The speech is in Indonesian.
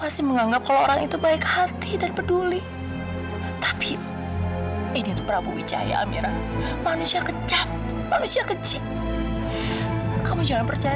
sampai jumpa di video selanjutnya